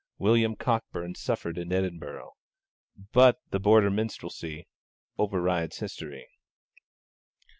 William Cockburn suffered in Edinburgh. But the Border Minstrelsy overrides history.